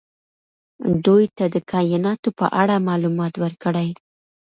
دوی ته د کائناتو په اړه معلومات ورکړئ.